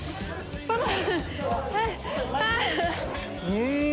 うん！